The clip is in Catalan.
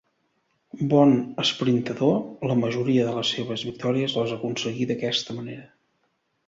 Bon esprintador, la majoria de les seves victòries les aconseguí d'aquesta manera.